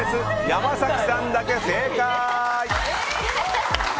山崎さんだけ正解！